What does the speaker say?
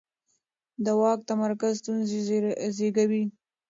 د واک تمرکز ستونزې زېږوي